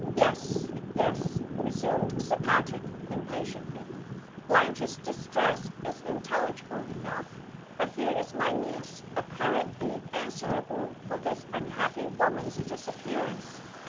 "Yes! yes!" resumed Sir Patrick, impatiently. "Blanche's distress is intelligible enough. But here is my niece apparently answerable for this unhappy woman's disappearance.